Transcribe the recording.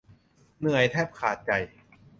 เหนื่อยแทบขาดใจ